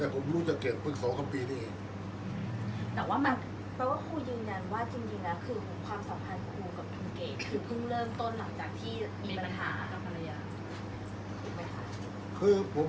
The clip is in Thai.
อันไหนที่มันไม่จริงแล้วอาจารย์อยากพูด